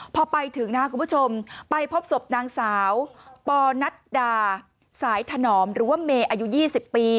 พอไปถึงนะครับคุณผู้ชมไปพบศพนางสาวปอนัดดาสายถนอมหรือว่าเมย์อายุ๒๐ปี